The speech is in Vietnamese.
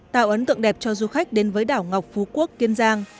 tạo ấn tượng đẹp cho du khách đến với đảo ngọc phú quốc kiên giang